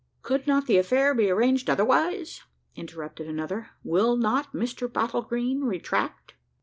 "Could not the affair be arranged otherwise?" interrupted another. "Will not Mr Bottlegreen retract?"